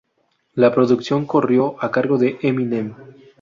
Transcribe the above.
La producción corrió a cargo de Eminem.